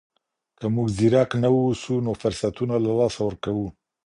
که موږ ځيرک نه واوسو نو فرصتونه له لاسه ورکوو.